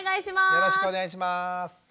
よろしくお願いします。